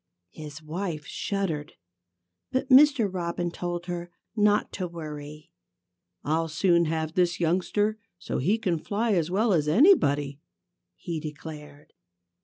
His wife shuddered. But Mr. Robin told her not to worry. "I'll soon have this youngster so he can fly as well as anybody," he declared.